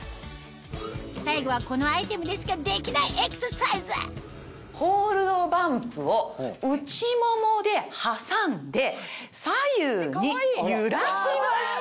最後はこのアイテムでしかできないエクササイズホールドバンプを内ももで挟んで左右に揺らしましょう。